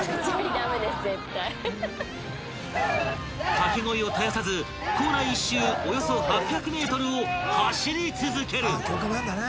［掛け声を絶やさず校内１周およそ８００ｍを走り続ける］